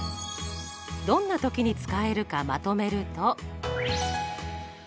どんな時に使えるかまとめると。